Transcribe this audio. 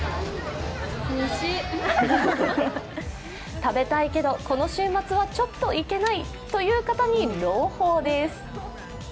食べたいけど、この週末はちょっと行けないという方に朗報です。